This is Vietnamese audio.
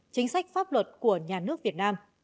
chính sách pháp luật của nhà nước việt nam